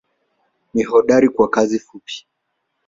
Ni hodari kwa kazi fupi.